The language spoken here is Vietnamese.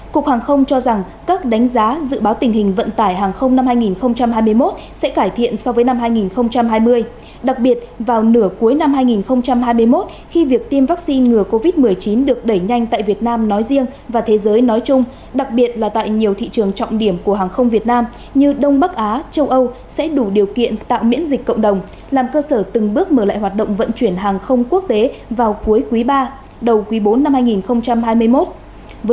cục hàng không cho rằng các đánh giá dự báo tình hình vận tải hàng không năm hai nghìn hai mươi một sẽ cải thiện so với năm hai nghìn hai mươi đặc biệt vào nửa cuối năm hai nghìn hai mươi một khi việc tiêm vaccine ngừa covid một mươi chín được đẩy nhanh tại việt nam nói riêng và thế giới nói chung đặc biệt là tại nhiều thị trường trọng điểm của hàng không việt nam như đông bắc á châu âu sẽ đủ điều kiện tạo miễn dịch cộng đồng làm cơ sở từng bước mở lại hoạt động vận chuyển hàng không quốc tế vào cuối quý ba đầu quý bốn năm hai nghìn hai mươi một